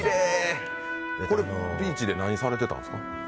ビーチで何されてたんですか？